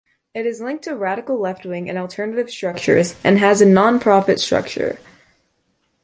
It is linked to radical left-wing and alternative structures and has a non-profit structure.